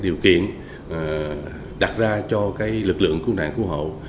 điều kiện đặt ra cho lực lượng cung đảng cung hậu